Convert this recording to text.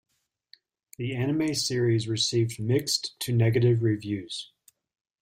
The anime series received mixed to negative reviews.